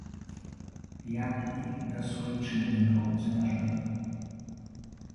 Як і да суайчыннікаў за мяжой.